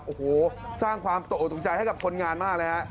โอ้โหสร้างความตกออกตกใจให้กับคนงานมากเลยฮะ